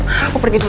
aku pergi dulu